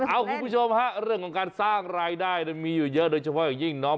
เอาคุณผู้ชมฮะเรื่องของการสร้างรายได้มีอยู่เยอะโดยเฉพาะอย่างยิ่งเนาะ